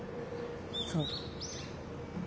そう。